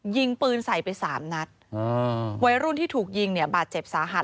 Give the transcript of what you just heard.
ยิงปืนใส่ไป๓นัดวัยรุ่นที่ถูกยิงบาดเจ็บสาหัส